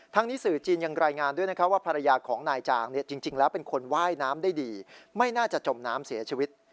นี้สื่อจีนยังรายงานด้วยนะคะว่าภรรยาของนายจางจริงแล้วเป็นคนว่ายน้ำได้ดีไม่น่าจะจมน้ำเสียชีวิต